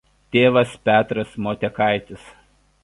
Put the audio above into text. Tėvas Petras Motiekaitis.